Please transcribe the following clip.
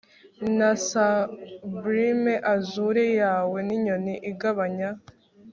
Na sublime azure yawe ninyoni igabanya